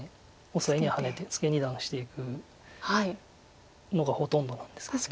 オサエにはハネてツケ二段していくのがほとんどなんですけど。